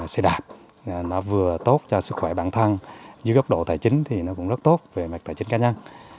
xe đạp nó vừa tốt cho sức khỏe bản thân dưới góc độ tài chính thì nó cũng rất tốt về mặt tài chính cá nhân